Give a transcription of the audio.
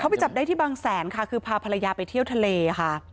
ไปจับได้ที่บางแสนค่ะคือพาภรรยาไปเที่ยวทะเลค่ะ